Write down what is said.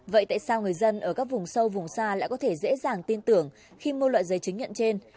vậy tại sao người dân ở các vùng sâu vùng xa lại có thể dễ dàng tin tưởng khi mua loại giấy chứng nhận trên